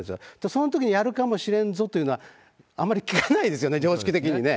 そのときに、やるかもしれんぞというのは、あまり効かないですよね、常識的にね。